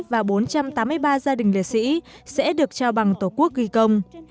và bốn trăm tám mươi ba gia đình liệt sĩ sẽ được trao bằng tổ quốc ghi công